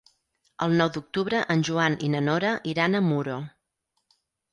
El nou d'octubre en Joan i na Nora iran a Muro.